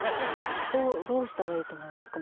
どうしたらいいと思いますか？